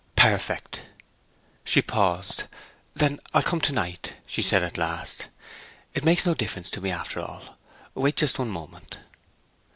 'Perfect.' She paused. 'Then I'll come to night,' she at last said. 'It makes no difference to me, after all. Wait just one moment.'